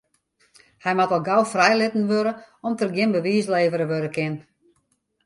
Hy moat al gau frijlitten wurde om't der gjin bewiis levere wurde kin.